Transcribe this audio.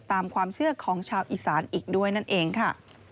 ตามความเชื่อของชาวอีสานอีกด้วยนั่นเองค่ะ